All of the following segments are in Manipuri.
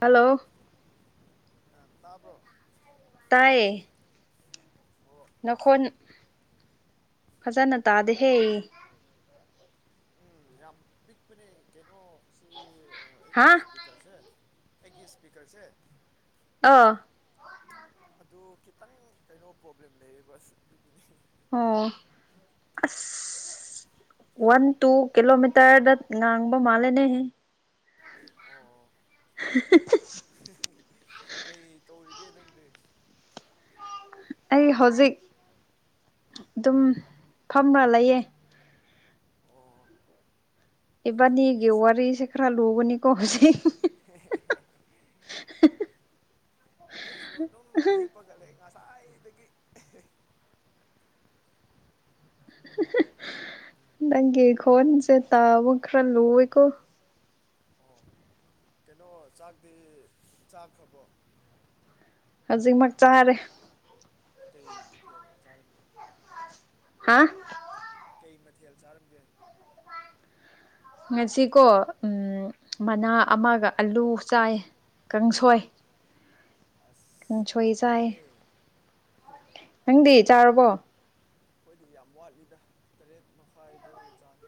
ꯍꯜꯂꯣ ꯑ ꯇꯥꯕ꯭ꯔꯣ ꯇꯥꯏꯌꯦ ꯋꯥ ꯅꯈꯣꯟ ꯐꯖꯅ ꯇꯥꯗꯦꯍꯦ ꯎꯝ ꯌꯥꯝ ꯄꯤꯛꯄꯅꯦ ꯀꯩꯅꯣ ꯁꯤ ꯍꯥ ꯑꯩꯒꯤ ꯁ꯭ꯄꯤꯛ ꯁꯄꯤꯔꯁ ꯑꯩꯒꯤ ꯏꯁꯄꯤꯀꯔꯁ ꯑꯥ ꯑꯗꯨ ꯈꯤꯇꯪ ꯀꯩꯅꯣ ꯄ꯭ꯔꯣꯕ꯭ꯂꯦꯝ ꯂꯩꯑꯕ ꯑꯣ ꯑꯁ ꯋꯥꯟ ꯇꯨ ꯀꯤꯂꯣꯃꯤꯇꯔꯗ ꯉꯥꯡꯕ ꯃꯥꯜꯦꯅꯦ ꯍ ꯑꯣ ꯎ ꯀꯩ ꯇꯧꯔꯤꯒꯦ ꯅꯪꯗꯤ ꯑꯩ ꯍꯧꯖꯤꯛ ꯑꯗꯨꯝ ꯐꯝꯃ ꯂꯩꯌꯦ ꯑꯣ ꯑꯦꯕꯥꯅꯤ ꯑꯩꯁꯨ ꯀꯦꯋꯥꯔꯤ ꯁꯦ ꯈ꯭ꯔꯥ ꯂꯨꯕꯅꯤꯀꯣ ꯍꯧꯖꯤ [unintelligible] ꯎꯝ ꯑꯩꯁꯨ ꯑꯗꯨꯝ ꯍꯤꯞꯄꯒꯠꯂꯦ ꯉꯁꯥꯏꯗꯒꯤ ꯅꯪꯒꯦ ꯈꯣꯟꯁꯦ ꯇꯥꯕ ꯈ꯭ꯔ ꯂꯨ ꯑꯩꯀꯣ ꯑꯣ ꯀꯩꯅꯣ ꯆꯥꯛꯇꯤ ꯆꯥꯈ꯭ꯔꯕꯣ ꯍꯧꯖꯤꯛꯃꯛ ꯆꯥꯔꯦ ꯀꯩ ꯃꯊꯦꯜ ꯆꯔ ꯍꯥ ꯀꯩ ꯃꯊꯦꯜ ꯆꯥꯔꯝꯒꯦ ꯉꯁꯤꯀꯣ ꯃꯅꯥ ꯑꯃꯒ ꯑꯂꯨ ꯆꯥꯏ ꯀꯥꯡꯁꯣꯏ ꯑꯁ ꯀꯪꯁꯣꯏ ꯆꯥꯏ ꯍꯥꯎꯅꯤꯍꯦ ꯅꯪꯗꯤ ꯆꯥꯔꯕꯣ ꯑꯩꯈꯣꯏꯗꯤ ꯌꯥꯝ ꯋꯥꯠꯂꯤꯗ ꯇꯔꯦꯠ ꯃꯈꯥꯏ ꯑꯗꯨꯋꯥꯏꯗ ꯆꯥꯅꯤ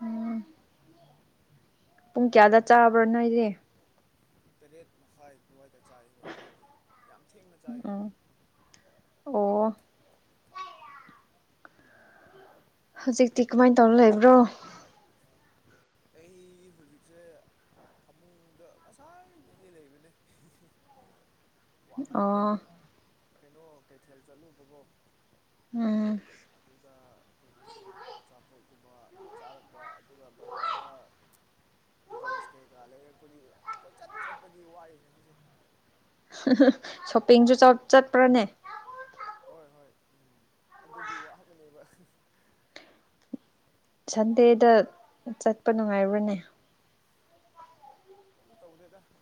ꯎꯝ ꯄꯨꯡ ꯀꯌꯥꯗ ꯆꯥꯕ꯭ꯔꯥꯅꯣ ꯑꯩꯔꯦ ꯇꯔꯦꯠ ꯃꯈꯥꯏ ꯑꯗꯨꯋꯥꯏꯗ ꯆꯥꯏꯕꯣ ꯑꯩꯈꯣꯏꯗꯤ ꯌꯥꯝ ꯊꯦꯡꯅ ꯆꯥꯏꯕ ꯎꯝ ꯑꯣ ꯍꯧꯖꯤꯛꯇꯤ ꯀꯃꯥꯏꯅ ꯇꯧꯔ ꯂꯩꯕ꯭ꯔꯣ ꯑꯩ ꯍꯧꯖꯤꯛꯁꯦ ꯐꯃꯨꯡꯗ ꯉꯁꯥꯅꯦ ꯂꯩꯕꯅꯦ [inaudible] ꯋꯥꯃꯟꯕꯒꯤ ꯑꯣ ꯀꯩꯅꯣ ꯀꯩꯊꯦꯜ ꯆꯠꯂꯨꯕꯒꯣ ꯎꯝ ꯑꯗꯨꯒ ꯀꯩꯅꯣ ꯑꯆꯥꯄꯣꯠꯀꯨꯝꯕ ꯆꯥꯔꯛꯄ ꯑꯗꯨꯒ ꯕꯖꯥꯔꯗ ꯗ꯭ꯔꯦꯁ ꯀꯩꯀꯥ ꯂꯩꯔ ꯑꯩꯣꯏꯒꯤ ꯀꯣꯏꯆꯠ ꯆꯠꯄꯒꯤ ꯋꯥꯔꯤ ꯈꯁꯦ ꯁꯣꯞꯄꯤꯡꯁꯨ ꯆꯠꯄ꯭ꯔꯅꯦ ꯍꯣꯏ ꯍꯣꯏ ꯎ ꯑꯗꯨꯒꯤ ꯋꯥꯕꯅꯦꯕ ꯁꯟꯗꯦꯗ ꯆꯠꯄ ꯅꯨꯡꯉꯥꯏꯕ꯭ꯔꯥꯅꯦ ꯇꯧꯗꯦꯗ ꯁꯣꯝ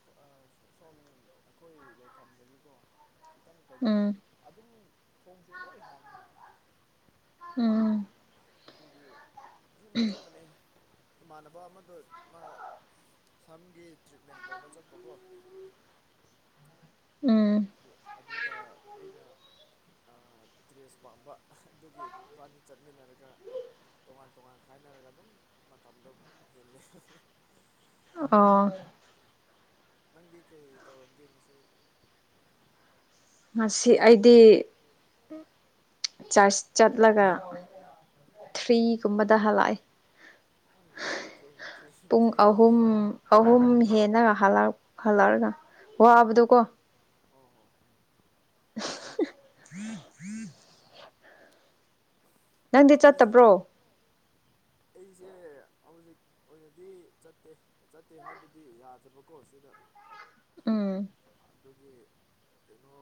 ꯑꯩꯈꯣꯏ ꯂꯩꯐꯝꯗꯒꯤꯀꯣ ꯈꯤꯇꯪ ꯀꯩꯅꯣ ꯎꯝ ꯑꯗꯨꯝ ꯊꯣꯡꯁꯨ ꯂꯣꯏ ꯍꯥꯡꯉꯤ ꯎꯝ ꯑꯗꯨꯒꯤ ꯑꯗꯨꯨꯝ ꯆꯠꯄꯅꯦ ꯏꯃꯥꯟꯅꯕ ꯑꯃꯗꯣ ꯃꯥ ꯁꯝꯒꯤ ꯇ꯭ꯔꯤꯠꯃꯦꯟ ꯇꯧꯕ ꯆꯠꯄꯀꯣ ꯎꯝ ꯑꯗꯨ ꯑꯗꯨꯗ ꯑꯩꯅ ꯑ ꯇ꯭ꯔꯦꯁ ꯄꯥꯝꯕ ꯑꯗꯨꯒꯤ ꯏꯕꯥꯟꯅꯤ ꯆꯠꯃꯤꯟꯅꯔꯒ ꯇꯣꯉꯥꯟ ꯇꯣꯉꯥꯟ ꯈꯥꯏꯅꯔꯒ ꯑꯗꯨꯝ ꯃꯇꯝꯗꯣ ꯍꯦꯂꯦ ꯑ ꯅꯪꯗꯤ ꯀꯩ ꯇꯧꯔꯝꯒꯦ ꯉꯁꯤ꯫ ꯉꯥꯁꯤ ꯑꯩꯗꯤ꯫ ꯆꯔꯆꯁ ꯆꯠꯂꯒ ꯊ꯭ꯔꯤꯒꯨꯝꯕꯗ ꯍꯜꯂꯛꯑꯦ꯫ ꯍꯣꯏ ꯊꯦꯡ ꯊꯦꯡ ꯄꯨꯡ ꯊꯦꯡꯉꯦꯍꯦ꯫ ꯑꯍꯨꯝ ꯑꯍꯨꯝ ꯍꯦꯟꯅ ꯍꯜꯂꯛ ꯍꯜꯂꯛꯔꯒ ꯋꯥꯕꯗꯨ ꯀꯣ ꯑꯣ ꯍꯣ ꯎꯝ ꯎꯝ ꯉꯁꯤ ꯆꯠꯇꯕ꯭ꯔꯣ ꯑꯩꯁꯦ ꯍꯧꯖꯤꯛ ꯑꯣꯏꯅꯗꯤ ꯆꯠꯇꯦ ꯆꯠꯇꯦ ꯍꯥꯏꯕꯗꯤ ꯌꯥꯗꯕꯀꯣ ꯁꯤꯗ ꯎꯝ꯫ ꯑꯗꯨꯒꯤ ꯀꯩꯅꯣ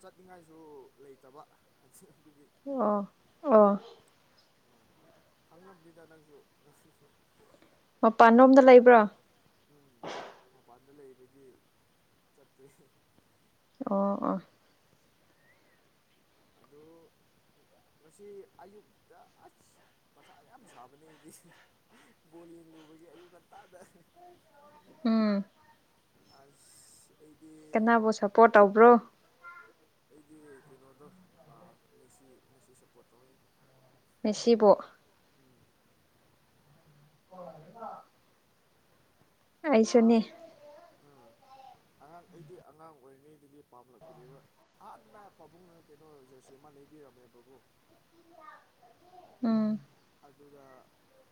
ꯆꯠꯅꯤꯡꯉꯥꯏꯁꯨ ꯂꯩꯇꯕ ꯑꯗꯨꯒꯤ꯫ ꯑꯣ ꯑꯣ꯫ ꯈꯪꯂꯝꯅꯤꯗ ꯅꯪꯁꯨ ꯉꯁꯤꯗꯤ꯫ ꯃꯄꯥꯟꯂꯣꯝꯗ ꯂꯩꯕ꯭ꯔꯥ꯫ ꯎꯝ ꯃꯄꯥꯟꯗ ꯂꯩꯕꯒꯤ ꯆꯠꯇꯦ꯫ ꯑꯣ ꯑꯣ꯫ ꯑꯗꯨ ꯉꯁꯤ ꯑꯌꯨꯛꯇ ꯑꯁ꯫ ꯃꯊꯥ ꯌꯥꯝ ꯁꯥꯕꯅꯦ ꯑꯩꯗꯤ ꯕꯣꯜ ꯌꯦꯡꯂꯨꯕꯒꯤ ꯑꯌꯨꯛ ꯉꯟꯇꯥꯗ꯫ ꯎꯝ꯫ ꯑꯁ꯫ ꯑꯩꯗꯤ ꯀꯅꯥꯕꯨ ꯁꯄꯣꯔꯠ ꯇꯧꯕ꯭ꯔꯣ꯫ ꯑꯩꯒꯤ ꯀꯩꯅꯣꯗꯣ ꯑꯥ ꯃꯦꯁꯤ ꯁꯄꯣꯔꯠ ꯇꯧꯏ꯫ ꯃꯦꯁꯤꯕꯣ꯫ ꯎꯝ꫰ [unintelligible] ꯑꯩꯁꯨꯅꯤ ꯑꯉꯥꯡ꫰꫰ ꯎꯝ [inaudible] ꯑꯉꯥꯡ ꯑꯩꯗꯤ ꯑꯉꯥꯡ ꯑꯣꯏꯔꯤꯉꯩꯗꯒꯤ ꯄꯥꯝꯂꯛꯄꯅꯦꯕ꯫ ꯍꯍꯥꯟꯅ ꯄꯥꯕꯨꯡꯅ ꯀꯩꯅꯣꯖꯔꯁꯤ ꯑꯃ ꯂꯩꯕꯤꯔꯝꯃꯦꯕꯀꯣ꯫ ꯎꯝ꯫ ꯑꯗꯨꯒ꯫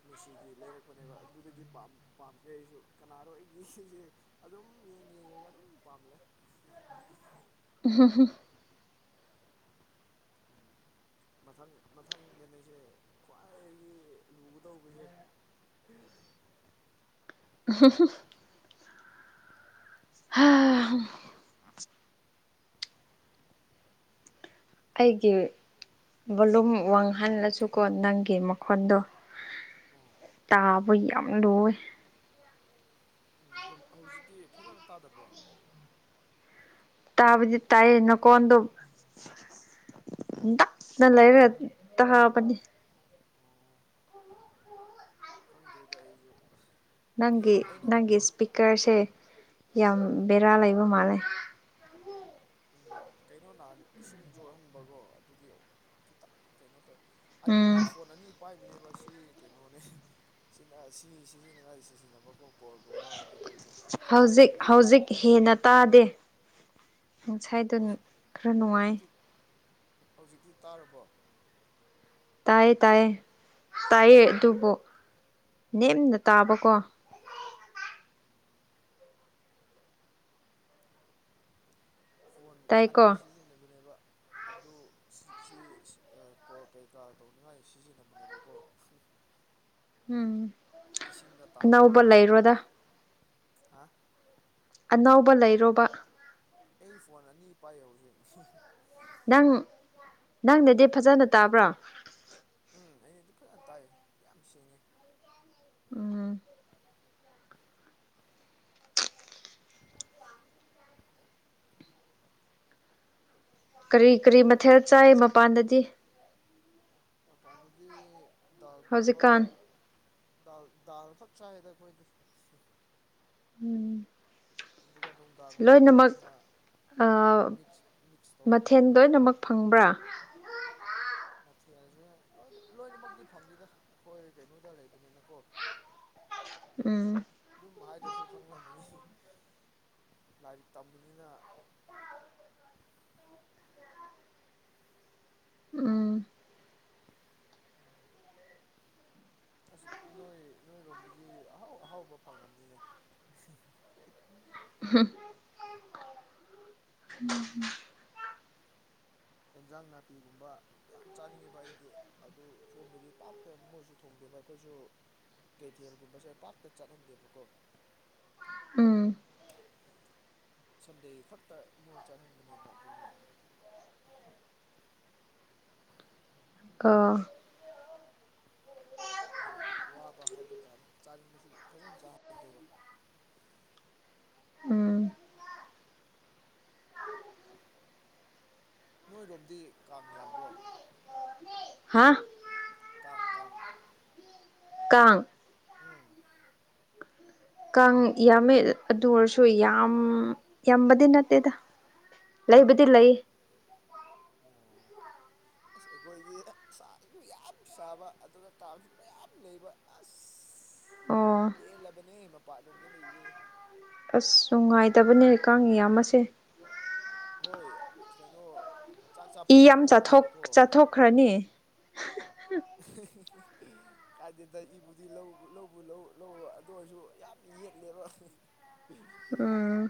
ꯃꯦꯁꯤꯒꯤ ꯂꯩꯔꯛꯄꯅꯦꯕ ꯑꯗꯨꯗꯒꯤ ꯄꯥꯝ ꯄꯥꯝꯗ꯭ꯔꯦ ꯑꯩꯁꯨ ꯀꯅꯥꯔꯣ ꯑꯩꯒꯤꯁꯤꯁꯦ꯫ ꯑꯗꯨꯝ ꯌꯦꯡ ꯌꯦꯡꯉꯒ ꯑꯗꯨꯝ ꯄꯥꯝꯂꯦ꫰꫰ [unintelligible] ꯃꯊꯪ ꯃꯊꯪꯗꯅꯦꯁꯦ ꯈ꯭ꯋꯥꯏꯗꯒꯤ ꯂꯨꯗꯧꯕꯁꯦ꯫ [unintelligible] ꯍꯥꯥ ꯍꯨꯝ꯫ ꯑꯩꯒꯤ ꯚꯣꯂꯨꯝ ꯋꯥꯡꯍꯜꯂꯁꯨꯀꯣ ꯅꯪꯒꯤ ꯃꯈꯣꯟꯗꯣ꯫ ꯑꯣ ꯇꯥꯕ ꯌꯥꯝ ꯂꯨꯌꯦ꯫ ꯎꯝ ꯍꯧꯖꯤꯛꯇꯤ ꯐꯖꯅ ꯇꯥꯗꯕ꯭ꯔꯣ꯫ ꯇꯥꯕꯗꯤ ꯇꯥꯏꯌꯦ ꯅꯈꯣꯟꯗꯨ꯫ ꯅꯥꯛꯅ ꯂꯩꯔꯦ ꯇꯥꯕꯅꯤ꯫ ꯈꯪꯗꯦꯗ ꯑꯩꯁꯨ ꯑꯁ꯫ ꯅꯪꯒꯤ ꯅꯪꯒꯤ ꯏꯁꯄꯤꯀꯔꯁꯦ ꯑꯥ ꯌꯥꯝ ꯕꯦꯔꯥ ꯂꯩꯕ ꯃꯥꯜꯂꯦ꯫ ꯎꯝ ꯀꯩꯅꯣ ꯅꯍꯥꯟ ꯏꯁꯤꯡ ꯆꯣꯠꯍꯟꯕꯔꯣ ꯑꯗꯨꯒꯤ꯫ ꯈꯤꯇ ꯀꯩꯅꯣ ꯇꯧ ꯑꯅꯤ ꯎꯝ ꯐꯣꯟ ꯑꯅꯤ ꯄꯥꯏꯕꯅꯦꯕ ꯁꯤ ꯀꯩꯅꯣꯅꯦ꯫ ꯁꯤꯅ ꯁꯤ ꯁꯤꯖꯤꯟꯅꯉꯥꯏ ꯁꯤꯖꯤꯟꯅꯕꯀꯣ ꯀꯣꯔꯣꯜꯒꯨꯝꯕ ꯑꯗꯨꯒ ꯀꯩ꫰ ꯍꯧꯖꯤꯛ ꯍꯧꯖꯤꯛ ꯍꯦꯟꯅ ꯇꯥꯗꯦ꯫ ꯉꯁꯥꯏꯗꯣ ꯍꯧꯖꯤꯛ ꯈꯔ ꯅꯨꯡꯉꯥꯏ ꯍꯧꯖꯤꯛꯇꯤ ꯍꯧꯖꯤꯛꯇꯤ ꯇꯥꯔꯕꯣ ꯇꯥꯏꯌꯦ ꯇꯥꯏꯌꯦ ꯇꯥꯏꯌꯦ ꯑꯣ ꯑꯗꯨꯕꯨ ꯅꯦꯝꯅ ꯇꯥꯕꯀꯣ ꯐꯣꯟ ꯑꯅꯤ ꯇꯥꯏꯀꯣ ꯁꯤꯖꯤꯟꯅꯕꯅꯦꯕ ꯑꯗꯨ ꯁꯤ ꯀ ꯀꯩꯀꯥ ꯇꯧꯅꯤꯉꯥꯏ ꯁꯤꯖꯤꯟꯅꯕꯅꯦꯕꯀꯣ ꯎꯝ ꯏꯁꯤꯡꯗ ꯇꯥꯍꯟꯕ ꯑꯅꯧꯕ ꯑꯗꯨꯒꯤ ꯂꯩꯔꯣꯗ ꯑꯅꯧꯕ ꯂꯩꯔꯣꯕ꯫ ꯑꯩ ꯐꯣꯟ ꯑꯅꯤ ꯄꯥꯏ ꯍꯧꯖꯤꯛ꯫ ꯅꯪ ꯅꯪꯗꯗꯤ ꯐꯖꯅ ꯇꯥꯕ꯭ꯔꯣ꯫ ꯎꯝ ꯑꯩꯗꯤ ꯐꯖꯅ ꯇꯥꯏꯌꯦ ꯌꯥꯝ ꯁꯦꯡꯉꯦ꯫ ꯎꯝ꯫ ꯀꯔꯤ ꯀꯔꯤ ꯃꯊꯦꯜ ꯆꯥꯏ ꯃꯄꯥꯟꯗꯗꯤ꯫ ꯄꯗꯗꯤ ꯗꯥꯜꯒꯨꯝꯕ ꯍꯧꯖꯤꯛꯀꯥꯟ ꯑꯥ꯫ ꯗꯥꯜ ꯗꯥꯜ ꯈꯛ ꯆꯥꯏꯗ ꯑꯩꯈꯣꯏꯗꯤ ꯎꯝ ꯑꯗꯨꯒ ꯅꯨꯡꯗꯥꯡ ꯂꯣꯏꯅꯃꯛ ꯅꯨꯡꯗꯥꯡꯅ ꯃꯤꯛꯁ ꯃꯤꯛꯁ ꯇꯧꯋꯦꯕꯀꯣ ꯃꯊꯦꯜ ꯂꯣꯏꯅꯃꯛ ꯐꯪꯕ꯭ꯔꯥ ꯁꯥꯊꯤꯁꯦꯣꯏ ꯂꯣꯏꯅꯃꯛꯇꯤ ꯐꯪꯗꯦꯗ ꯑꯩꯈꯣꯏ ꯀꯩꯅꯣꯗ ꯂꯩꯕꯅꯤꯅꯀꯣ ꯎꯝ ꯑꯗꯨꯝ ꯍꯥꯏꯗ꯭ꯔꯁꯨ ꯈꯪꯂꯝꯕꯅꯤ ꯂꯥꯏꯔꯤꯛ ꯇꯝꯕꯅꯤꯅ ꯎꯝ ꯑꯁꯤ ꯅꯣꯏ ꯅꯣꯏꯔꯣꯝꯗꯗꯤ ꯑꯍꯥꯎ ꯑꯍꯥꯎꯕ ꯐꯪꯂꯝꯅꯤꯅꯦ ꯎꯝꯝ ꯑꯦꯟꯖꯥꯡ ꯅꯥꯄꯤꯒꯨꯝꯕ ꯌꯥꯝ ꯆꯥꯅꯤꯡꯉꯦꯕ ꯑꯩꯗꯤ ꯑꯗꯨ ꯊꯣꯡꯗꯦꯕ ꯄꯥꯛ ꯃꯣꯏꯁꯨ ꯊꯣꯡꯗꯦꯕ ꯑꯩꯈꯣꯏꯁꯨ ꯀꯦꯊꯦꯜꯒꯨꯝꯕꯁꯦ ꯄꯥꯛꯇ ꯆꯠꯂꯝꯗꯦꯕꯀꯣ ꯎꯝ ꯁꯟꯗꯦ ꯈꯛꯇ ꯃꯣꯏ ꯆꯥꯍꯟꯕꯅꯦꯕ ꯑꯥ ꯌꯥꯝ ꯋꯥꯕ ꯍꯥꯏꯕ ꯇꯥꯔꯦ ꯆꯥꯅꯤꯡꯕꯁꯨ ꯐꯖꯅ ꯆꯥꯍꯧꯗꯦꯕ ꯎꯝ ꯅꯣꯏꯔꯣꯝꯗꯤ ꯀꯥꯡ ꯌꯥꯝꯕ꯭ꯔꯣ ꯍꯥꯥ ꯀꯥꯡ ꯀꯥꯡ ꯀꯥꯡ ꯎꯝ ꯀꯥꯡ ꯌꯥꯝꯃꯤ ꯑꯗꯨ ꯑꯣꯏꯔꯁꯨ ꯌꯥꯝ ꯌꯥꯝꯕꯗꯤ ꯅꯠꯇꯦꯗ ꯑꯣ ꯑꯣ ꯂꯩꯕꯨꯗꯤ ꯂꯩ ꯑꯁ ꯑꯩꯈꯣꯏꯒꯤ ꯁꯥꯥꯁꯨ ꯌꯥꯝ ꯁꯥꯕ ꯑꯗꯨꯒ ꯀꯥꯡꯁꯨ ꯃꯌꯥꯝ ꯂꯩꯕ ꯑꯁ [inaudible] ꯀꯦꯜꯂꯕꯅꯦ ꯃꯄꯥꯟꯂꯣꯝꯗ ꯂꯩꯔꯤꯗꯅꯦ ꯑꯁ ꯅꯨꯡꯉꯥꯏꯗꯕꯅꯦ ꯀꯥꯡ ꯏꯌꯥꯝꯕꯁꯦ ꯍꯣꯏ ꯀꯩꯅꯣ ꯆꯥꯛ ꯆꯥꯐꯝꯁꯨ ꯈꯪꯗꯦꯕꯀꯣ ꯈ꯭ꯔꯅꯤ [unintelligible] ꯀꯥꯏꯗꯦꯗ ꯏꯕꯨꯗꯤ ꯂꯧꯕ ꯂꯧ ꯂꯧ ꯑꯗꯨ ꯑꯣꯏꯔꯁꯨ ꯌꯥꯝ ꯌꯦꯠꯂꯦꯕ ꯎꯝ ꯎꯝ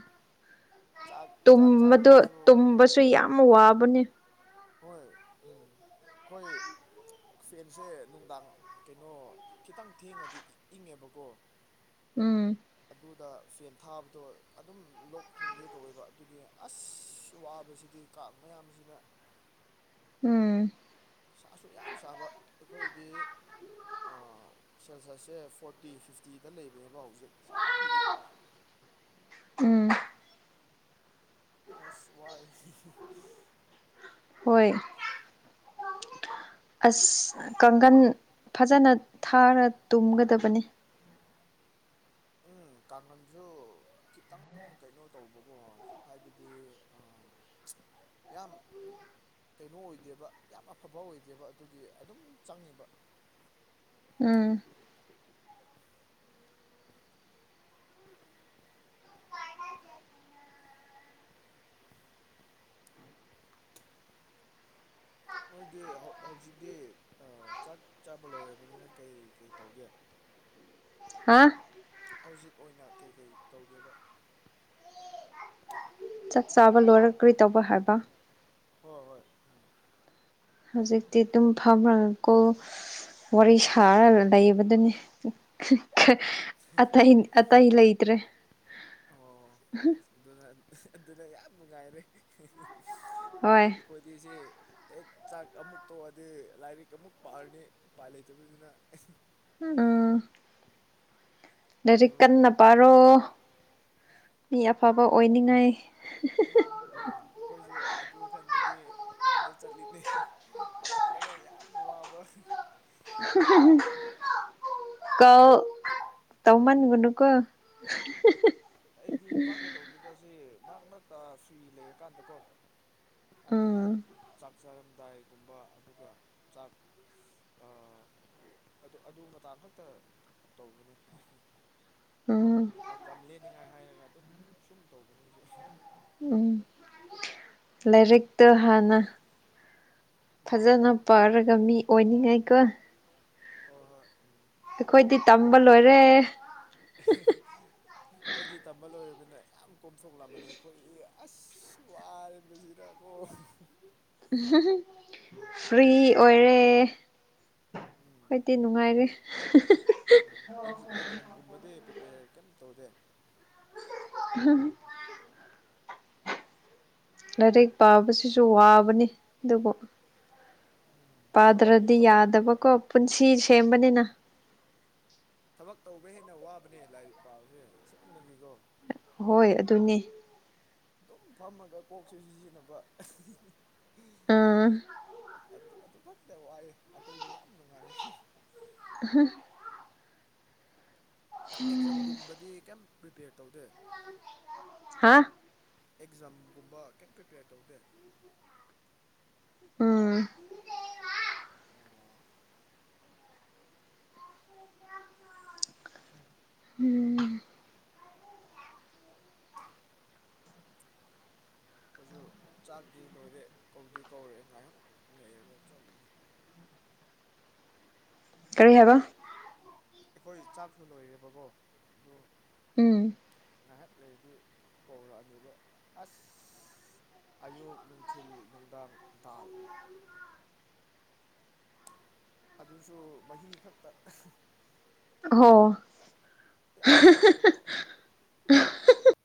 ꯆꯥꯛ ꯇꯨꯝꯕꯗꯣ ꯆꯥꯔꯤꯉꯩꯁꯨ ꯇꯨꯝꯕꯁꯨ ꯌꯥꯝ ꯋꯥꯕꯅꯦ ꯍꯣꯏ ꯎꯝ ꯑꯩꯈꯣꯏ ꯐꯦꯟꯁꯦ ꯅꯨꯡꯗꯥꯡ ꯀꯩꯅꯣ ꯈꯤꯇꯪ ꯊꯦꯡꯉꯗꯤ ꯏꯪꯉꯦꯕꯀꯣ ꯎꯝ ꯑꯗꯨꯗ ꯐꯦꯟ ꯊꯥꯕꯗꯣ ꯑꯗꯨꯝ ꯂꯣꯛ ꯊꯨꯡꯒꯦ ꯇꯧꯋꯦꯕ ꯑꯗꯨꯒꯤ ꯑꯁ ꯋꯥꯕꯁꯤꯗꯤ ꯀꯥꯔ ꯃꯌꯥꯝꯁꯤꯅ ꯎꯝ ꯁꯥꯁꯨ ꯌꯥꯝ ꯁꯥꯕ ꯑꯩꯈꯣꯏꯗꯤ ꯑ ꯁꯦꯁ ꯁꯦ ꯐꯣꯔꯇꯤ ꯐꯤꯐꯇꯤ ꯗꯂꯩꯕꯅꯤꯀꯣ ꯍꯨꯖꯤꯛ ꯁꯥꯃꯟꯈꯤ ꯎꯝ ꯑꯁ ꯋꯥꯏ ꯍꯣꯏ ꯑꯁ ꯀꯥꯡꯒꯟ ꯐꯖꯅ ꯊꯥꯔ ꯇꯨꯝꯒꯗꯕꯅꯤ ꯎꯝ ꯀꯥꯡꯈꯜꯁꯨ ꯈꯤꯇꯪ ꯀꯩꯅꯣ ꯇꯧꯕꯀꯣ ꯍꯥꯏꯕꯗꯤ ꯑ ꯌꯥꯝ ꯀꯩꯅꯣ ꯑꯣꯏꯗꯦꯕ ꯌꯥꯝ ꯑꯐꯕ ꯑꯣꯏꯗꯦꯕ ꯑꯗꯨꯒꯤ ꯑꯗꯨꯝ ꯆꯪꯉꯦꯕ ꯎꯝ ꯃꯣꯏꯗꯤ ꯍꯧꯖꯤꯛꯇꯤ ꯆꯥꯛ ꯆꯥꯕ ꯂꯣꯏꯔꯕꯅꯤꯅ ꯀꯩ ꯀꯩ ꯇꯧꯒꯦ ꯍꯥꯥ ꯍꯧꯖꯤꯛ ꯑꯣꯏꯅ ꯀꯩ ꯀꯩ ꯇꯧꯒꯦꯈꯤꯕ ꯆꯥꯛ ꯆꯥꯕ ꯂꯣꯏꯔꯛꯀ꯭ꯔꯤ ꯇꯧꯕ ꯍꯥꯏꯕ ꯍꯣꯏ ꯍꯣꯏ ꯎꯝ ꯍꯧꯖꯤꯛꯇꯤ ꯑꯗꯨꯝ ꯐꯝꯃꯒꯀꯣ ꯋꯥꯔꯤ ꯁꯥꯔ ꯂꯩꯕꯗꯨꯅꯤ ꯑꯇꯩ ꯑꯇꯩ ꯂꯩꯇ꯭ꯔꯦ ꯑꯣ ꯑꯗꯨꯅ ꯑꯗꯨꯅ ꯌꯥꯝ ꯅꯨꯡꯉꯥꯏꯔꯦ ꯍꯣꯏ ꯑꯣꯏꯈꯣꯏꯗꯤꯁꯦ ꯍꯦꯛ ꯆꯥꯛ ꯑꯃꯨꯛ ꯇꯣꯛꯑꯗꯤ ꯂꯥꯏꯔꯤꯛ ꯑꯃꯨꯛ ꯄꯥꯔꯅꯤ ꯎꯄꯥꯏ ꯂꯩꯇꯕꯅꯤꯅ ꯎꯝ ꯂꯥꯏꯔꯤꯛ ꯑꯗꯣ ꯀꯟꯅ ꯄꯥꯔꯣ ꯃꯤ ꯑꯐꯕ ꯑꯣꯏꯅꯤꯡꯉꯥꯏ ꯎꯝ ꯑꯩꯈꯣꯏꯁꯨ ꯑꯗꯨ ꯈꯟꯕꯒꯤ ꯃꯄꯥꯟꯗ ꯆꯠꯂꯤꯅꯤ ꯑꯄꯥꯟꯗꯅ ꯌꯥꯝ ꯋꯥꯕ ꯀꯣꯜ ꯇꯧꯃꯟꯒꯅꯨ ꯀꯣ ꯑꯩꯗꯤ ꯄꯥꯛꯇ ꯇꯧꯗꯦꯗ ꯁꯤ ꯃꯔꯛ ꯃꯔꯛꯇ ꯐꯔꯤ ꯂꯩꯔꯀꯥꯟꯗꯀꯣ ꯍꯥꯏꯗꯤ ꯎꯝ ꯆꯥꯛ ꯆꯥꯔꯝꯗꯥꯏꯒꯨꯝꯕ ꯑꯗꯨꯒ ꯆꯥꯛ ꯑꯥ ꯑꯗꯨ ꯑꯗꯨ ꯃꯇꯥꯡ ꯈꯛꯇ ꯇꯧꯕꯅꯤ ꯎꯝ ꯃꯇꯝ ꯂꯦꯟꯅꯤꯡꯉꯥꯏ ꯍꯥꯏꯔꯒ ꯑꯗꯨꯝ ꯁꯨꯝ ꯇꯧꯕꯅꯤ ꯑꯩꯁꯨ ꯎꯝ ꯂꯥꯏꯔꯤꯛꯇ ꯍꯥꯟꯅ ꯎꯝ ꯐꯖꯅ ꯄꯥꯔꯒ ꯃꯤ ꯑꯣꯏꯅꯤꯡꯉꯥꯏꯀꯣ ꯍꯣ ꯍꯣꯏ ꯑꯩꯈꯣꯏꯗꯤ ꯇꯝꯕ ꯂꯣꯏꯔꯦ [unintelligible] ꯅꯣꯏꯗꯤ ꯇꯝꯕ ꯂꯣꯏꯔꯕꯅꯤꯅ ꯌꯥꯝ ꯀꯣꯝꯊꯣꯛꯂꯝꯃꯅꯤ ꯑꯩꯈꯣꯏꯗꯤ ꯑꯁ ꯋꯥꯔꯦꯗꯁꯤꯗ ꯑꯣ ꯐ꯭ꯔꯤ ꯑꯣꯏꯔꯦ ꯎꯝ ꯍꯣꯏꯗꯤ ꯅꯨꯡꯉꯥꯏꯔꯦ ꯑꯦꯛꯖꯥꯝꯒꯨꯝꯕꯗꯤ ꯄ꯭ꯔꯤꯄꯦꯌꯔ ꯀꯩꯝ ꯇꯧꯗꯦ ꯍꯝ ꯂꯥꯏꯔꯤꯛ ꯄꯥꯕꯁꯤꯁꯨ ꯋꯥꯕꯅꯤ ꯑꯗꯨꯕꯨ ꯊꯕꯛ ꯄꯥꯗ꯭ꯔꯗꯤ ꯊꯕꯛ ꯌꯥꯗꯕꯀꯣ ꯄꯨꯟꯁꯤ ꯎꯝ ꯁꯦꯝꯕꯅꯤꯅ ꯊꯕꯛ ꯇꯧꯕ ꯍꯦꯟꯅ ꯋꯥꯕꯅꯦ ꯂꯥꯏꯔꯤꯛ ꯄꯥꯕꯁꯦ ꯁꯦꯡꯕꯒꯤꯀꯣ ꯍꯣꯏ ꯑꯗꯨꯅꯦ ꯑꯗꯨꯝ ꯐꯝꯃꯒ ꯀꯣꯛꯁꯨ ꯁꯤꯖꯤꯟꯅꯕ ꯎꯝ ꯑꯗꯨ ꯑꯗꯨ ꯈꯛꯇ ꯋꯥꯏꯑꯦ ꯑꯇꯩꯗꯤ ꯌꯥꯝ ꯅꯨꯡꯉꯥꯏ ꯍ ꯑꯦꯛꯖꯥꯝꯒꯨꯝꯕꯗꯤ ꯀꯩꯝ ꯄ꯭ꯔꯤꯄꯦꯌꯔ ꯇꯧꯗꯦ ꯍꯥ ꯑꯦꯛꯖꯥꯝꯒꯨꯝꯕ ꯀꯩꯝ ꯄ꯭ꯔꯤꯄꯦꯌꯔ ꯇꯧꯗꯦ ꯎꯝ ꯎꯝ ꯑꯩꯈꯣꯏꯁꯨ ꯆꯥꯛꯇꯤ ꯂꯣꯏꯔꯦ ꯀꯧꯗꯤ ꯀꯧꯔꯦ ꯉꯥꯏꯍꯥꯛ ꯂꯩꯔꯒ ꯆꯠꯂ ꯀꯔꯤ ꯍꯥꯏꯕ ꯑꯩꯈꯣꯏ ꯆꯥꯛꯁꯨ ꯂꯣꯏꯔꯦꯕꯀꯣ ꯑꯗꯨ ꯎꯝ ꯉꯥꯏꯍꯥꯛ ꯂꯩꯔꯗꯤ ꯀꯧꯔꯛꯑꯅꯤꯕ ꯑꯁ ꯑꯌꯨꯛ ꯅꯨꯡꯊꯤꯜ ꯅꯨꯡꯗꯥꯡ ꯇꯥꯜ ꯑꯗꯨꯁꯨ ꯃꯍꯤ ꯈꯛꯇ ꯍ ꯌꯥ ꯃꯍꯗꯨꯕ